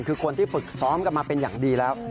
คือคนที่ฝึกซ้อมกันมาเป็นอย่างดีแล้ว